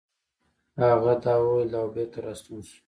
هغه دا وويل او بېرته راستون شو.